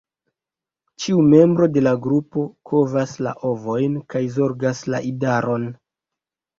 Ĉiu membro de la grupo kovas la ovojn kaj zorgas la idaron.